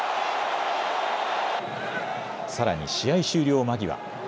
さらに試合終了間際。